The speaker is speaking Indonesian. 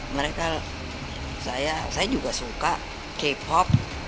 mereka saya juga suka k pop